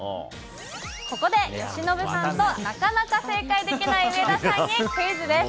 ここで由伸さんと、なかなか正解できない上田さんにクイズです。